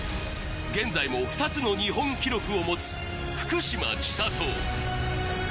現在も２つの日本記録を持つ福島千里